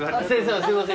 すいません。